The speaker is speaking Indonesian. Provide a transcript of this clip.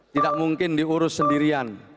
tidak mungkin diurus sendirian